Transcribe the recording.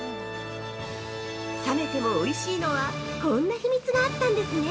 冷めてもおいしいのは、こんな秘密があったんですね！